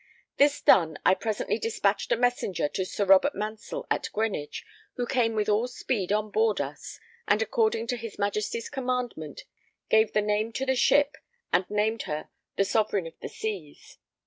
This done, I presently dispatched a messenger to Sir Robert Mansell at Greenwich, who came with all speed on board us, and according to his Majesty's commandment gave the name to the ship and named her the Sovereign of the Seas.